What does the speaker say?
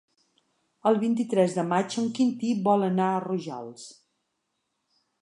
El vint-i-tres de maig en Quintí vol anar a Rojals.